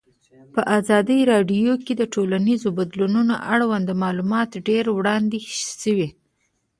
په ازادي راډیو کې د ټولنیز بدلون اړوند معلومات ډېر وړاندې شوي.